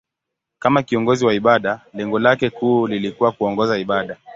Kama kiongozi wa ibada, lengo lake kuu lilikuwa kuongoza ibada.